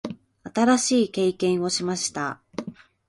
新しい経験をしました。